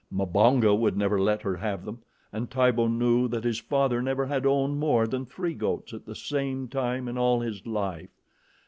Mbonga would never let her have them, and Tibo knew that his father never had owned more than three goats at the same time in all his life.